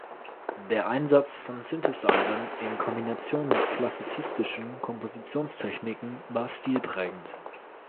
Der Einsatz von Synthesizern in Kombination mit klassizistischen Kompositionstechniken war stilprägend.